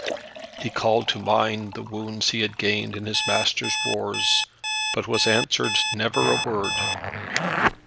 He called to mind the wounds he had gained in his master's wars, but was answered never a word.